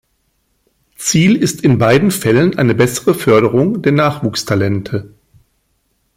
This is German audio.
Ziel ist in beiden Fällen eine bessere Förderung der Nachwuchstalente.